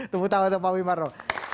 tepuk tangan untuk pak wimarno